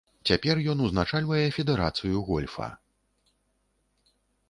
Цяпер ён узначальвае федэрацыю гольфа.